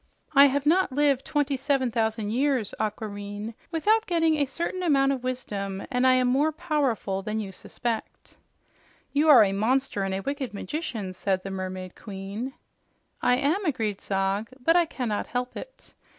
I have not lived twenty seven thousand years, Aquareine, without getting a certain amount of wisdom, and I am more powerful than you suspect." "You are a monster and a wicked magician," said the Mermaid Queen. "I am," agreed Zog, "but I cannot help it.